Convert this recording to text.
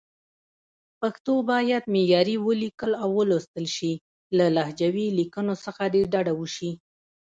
پښتو باید معیاري ولیکل او ولوستل شي، له لهجوي لیکنو څخه دې ډډه وشي.